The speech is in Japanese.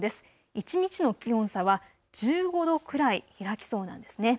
一日の気温差は１５度くらい開きそうなんです。